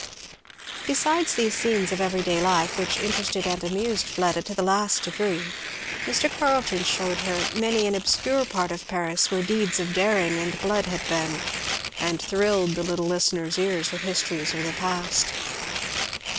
Besides these scenes of everyday life, which interested and amused Fleda to the last degree, Mr. Carleton shewed her many an obscure part of Paris where deeds of daring and of blood had been, and thrilled the little listener's ear with histories of the Past.